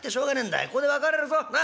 ここで別れるぞなっあばよ！」。